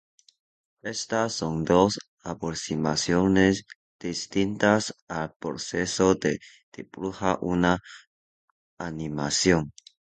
Estas son dos aproximaciones distintas al proceso de dibujar una animación.